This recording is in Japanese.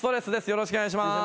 よろしくお願いします。